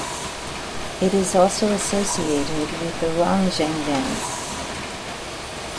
It is also associated with the Ronggeng dance.